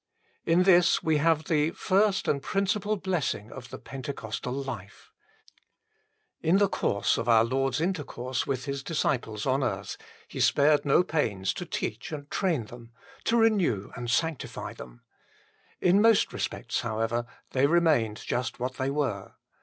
In this we have the first and principal blessing of the Pentecostal life. In the course of our Lord s intercourse with His disciples on earth He spared no pains to teach and train them, to HOW GLORIOUS IT IS 23 renew and sanctify them. In most respects, however, they remained just what they were.